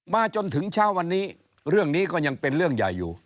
จนถึงเช้าวันนี้เรื่องนี้ก็ยังเป็นเรื่องใหญ่อยู่